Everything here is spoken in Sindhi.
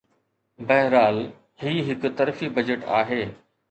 بهرحال، هي هڪ طرفي بحث آهي.